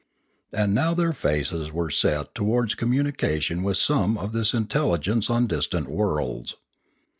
And now their faces were set towards communication with some of this intelligence on distant worlds.